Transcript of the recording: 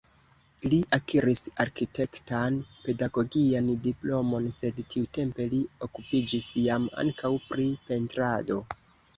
Li akiris arkitektan-pedagogian diplomon, sed tiutempe li okupiĝis jam ankaŭ pri pentrado.